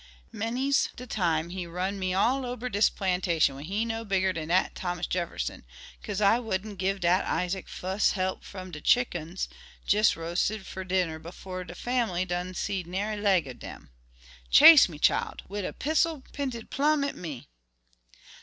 Many's de time he run me all ober dis plantation when he no bigger'n dat Thomus Jefferson, 'cause I wouldn't give dat Isaac fus' help from de chickuns jes' roasted fer dinner befo' de fambly done seed nary leg ob 'em. Chase me, chile, wid a pissle pinted plum' at me."